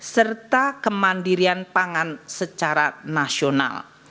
serta kemandirian pangan secara nasional